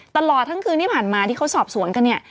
ตลอดทั้งคืนที่ผ่านมาที่เขาสอบสวนกันเนี่ย